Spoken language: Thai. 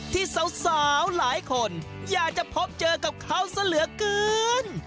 ที่สาวหลายคนอยากจะพบเจอกับเขาซะเหลือเกิน